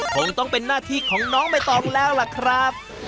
คงต้องเป็นหน้าที่ของน้องใบตองแล้วล่ะครับ